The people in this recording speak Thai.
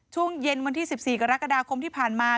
ช่วงเย็นวันที่๑๔กรกฎาคมที่ผ่านมา